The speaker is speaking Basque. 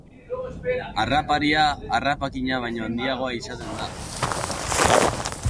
Harraparia harrapakina baino handiagoa izaten da.